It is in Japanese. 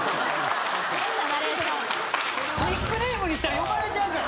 ニックネームにしたら呼ばれちゃうから。